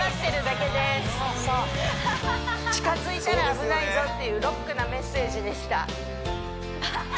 そう近づいたら危ないぞっていうロックなメッセージでしたハハハハ！